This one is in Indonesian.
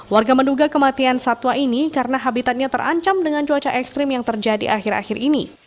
warga menduga kematian satwa ini karena habitatnya terancam dengan cuaca ekstrim yang terjadi akhir akhir ini